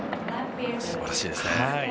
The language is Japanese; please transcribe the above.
素晴らしいですね。